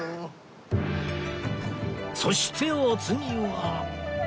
そしてお次は